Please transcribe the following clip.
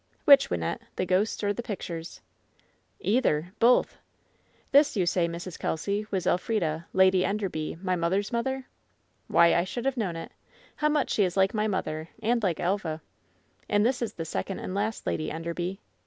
'' ''Which, Wynnette ? The ghosts or the pictures V ''Either. Both. This, you say, Mrs. Kelsy, was El frida. Lady Enderby, my mother's mother? Why, I should have known it. How much she is like my mother, and like Elva. And this is the second and last Lady Enderby